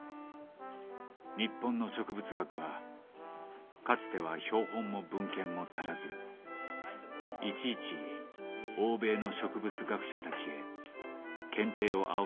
日本の植物学はかつては標本も文献も足らずいちいち欧米の植物学者たちへ検定を仰がねばならなかった。